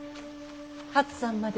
初さんまで。